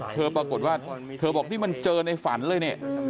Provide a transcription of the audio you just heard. ปรากฏว่าเธอบอกนี่มันเจอในฝันเลยเนี่ย